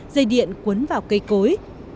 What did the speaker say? dây điện cuốn vào cây cối